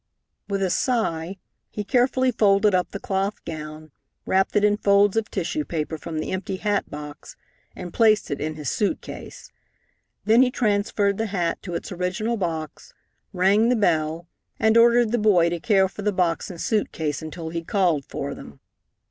With a sigh, he carefully folded up the cloth gown, wrapped it in folds of tissue paper from the empty hat box, and placed it in his suit case. Then he transferred the hat to its original box, rang the bell, and ordered the boy to care for the box and suit case until he called for them.